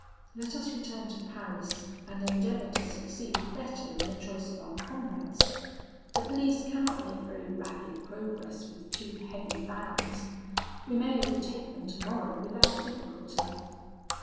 Let us return to Paris, and endeavour to succeed better in the choice of our comrades. The police cannot make very rapid progress with two heavy vans; we may overtake them tomorrow without difficulty.'